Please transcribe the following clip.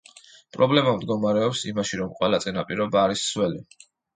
პრობლემა მდგომარეობს იმაში, რომ ყველა წინაპირობა არის „სველი“.